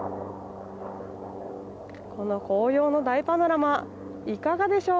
この紅葉の大パノラマいかがでしょう。